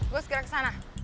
bos gerak ke sana